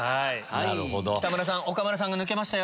北村さん岡村さんが抜けました。